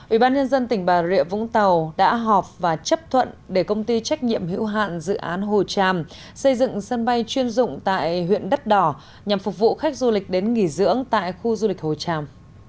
ủy ban nhân dân tỉnh bà rịa vũng tàu đã họp và chấp thuận để công ty trách nhiệm hữu hạn dự án hồ tràm xây dựng sân bay chuyên dụng tại huyện đất đỏ nhằm phục vụ khách du lịch đến nghỉ dưỡng tại khu du lịch hồ tràm